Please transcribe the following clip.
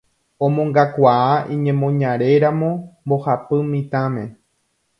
omongakuaa iñemoñaréramo mbohapy mitãme